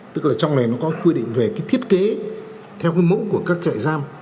tức là trong này nó có quy định về thiết kế theo mẫu của các chạy giam